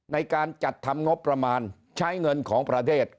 ในการจัดทำงบประมาณใช้เงินของประเทศ